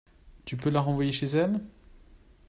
Tu peux la renvoyer chez elle?